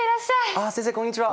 あ先生こんにちは。